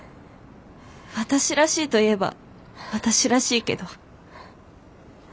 私らしいといえば私らしいけど。